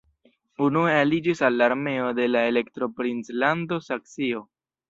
Unue aliĝis al la armeo de la Elektoprinclando Saksio.